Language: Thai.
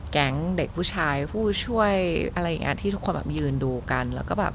แก๊งเด็กผู้ชายผู้ช่วยที่ทุกคนยืนดูกัน